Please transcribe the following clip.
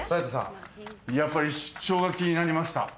やっぱり出張が気になりました。